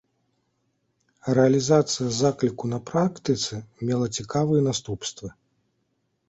Рэалізацыя закліку на практыцы мела цікавыя наступствы.